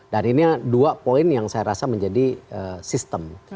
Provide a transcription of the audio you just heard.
dan ini dua poin yang saya rasa menjadi sistem